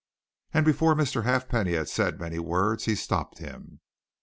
And before Mr. Halfpenny had said many words he stopped him.